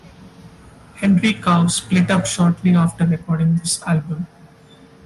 Henry Cow split up shortly after recording this album.